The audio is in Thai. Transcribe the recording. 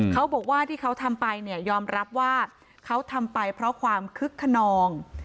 เขาบอกว่าที่เขาทำไปเนี่ยยอมรับว่าเขาทำไปเพราะความคึกขนอง